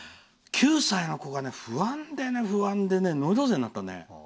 ９歳の子が不安で不安でノイローゼになったね。